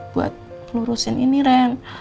buat melurusin ini ren